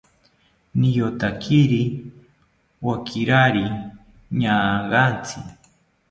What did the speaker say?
Niyotakiri wakirari ñaagantzi